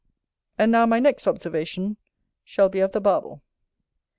And now my next observation shall be of the Barbel.